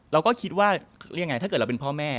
เราก็คิดว่ายังไงถ้าเกิดเราเป็นพ่อแม่